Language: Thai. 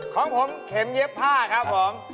ของผมเข็มเย็บผ้าครับผม